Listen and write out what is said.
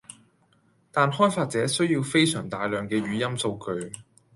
但開發者需要非常大量既語音數據